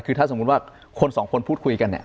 คือถ้าสมมุติว่าคนสองคนพูดคุยกันเนี่ย